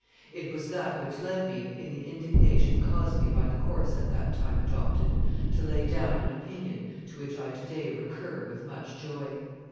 It was that which led me, in the indignation caused me by the course at that time adopted, to lay down an opinion to which I to day recur with much joy.